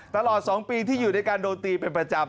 ตลอด๒ปีที่อยู่ด้วยกันโดนตีเป็นประจำ